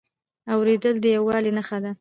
اورېدل د یووالي نښه ده.